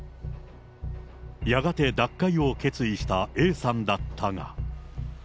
やがて脱会を決意したＡさんだったが。